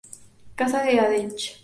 Casa de Andechs